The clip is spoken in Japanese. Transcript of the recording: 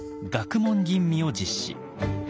「学問吟味」を実施。